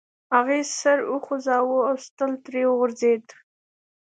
هغې سر وخوزاوه او سطل ترې وغورځید.